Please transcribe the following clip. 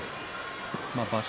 場所